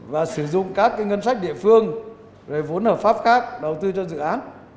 và sử dụng các ngân sách địa phương vốn hợp pháp khác đầu tư cho dự án